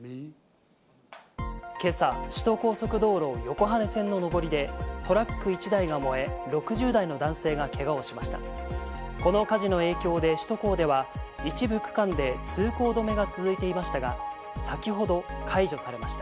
今朝、首都高速道路・横羽線の上りでトラック１台が燃え、６０代の男性がけがをしました。